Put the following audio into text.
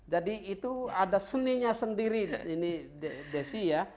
jadi itu ada seninya sendiri desi ya